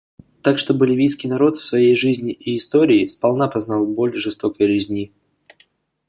Так что боливийский народ в своей жизни и истории сполна познал боль жестокой резни.